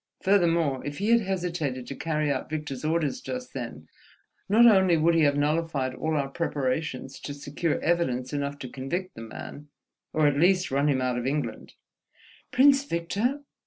Furthermore, if he had hesitated to carry out Victor's orders just then, not only would he have nullified all our preparations to secure evidence enough to convict the man, or at least run him out of England—" "Prince Victor?